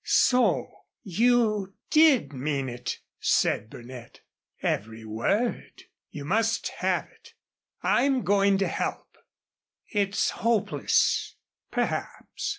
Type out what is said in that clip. "So you did mean it?" said Burnett. "Every word. You must have it. I'm going to help." "It's hopeless." "Perhaps.